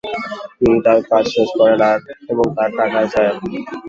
তিনি তার কাজ শেষ করেন এবং তার টাকা চান।